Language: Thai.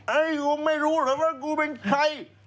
กูไม่รู้เหรอว่ากูเป็นใคร